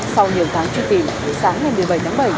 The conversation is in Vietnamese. sau nhiều tháng truy tìm sáng ngày một mươi bảy tháng bảy